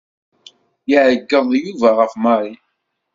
Iɛeggeḍ Yuba ɣef Mary.